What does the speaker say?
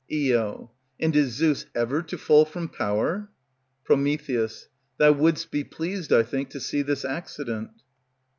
Io. And is Zeus ever to fall from power? Pr. Thou would'st be pleased, I think, to see this accident.